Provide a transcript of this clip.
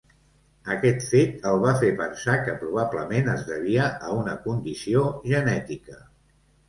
Aquest fet el va fer pensar que probablement es devia a una condició genètica.